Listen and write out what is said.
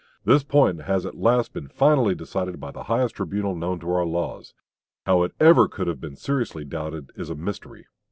This point has at last been finally decided by the highest tribunal known to our laws. How it could ever have been seriously doubted is a mystery."